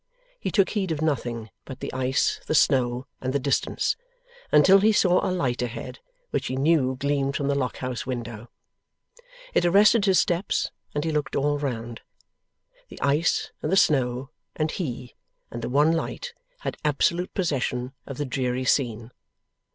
He took heed of nothing but the ice, the snow, and the distance, until he saw a light ahead, which he knew gleamed from the Lock House window. It arrested his steps, and he looked all around. The ice, and the snow, and he, and the one light, had absolute possession of the dreary scene.